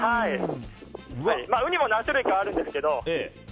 ウニも何種類かあるんですけど。